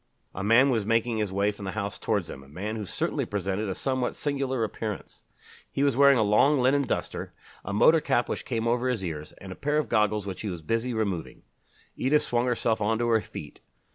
A man was making his way from the house towards them, a man who certainly presented a somewhat singular appearance. He was wearing a long linen duster, a motor cap which came over his ears, and a pair of goggles which he was busy removing. Edith swung herself on to her feet.